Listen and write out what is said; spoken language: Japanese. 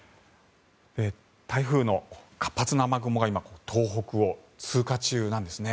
台風の活発な雨雲が東北を通過中なんですね。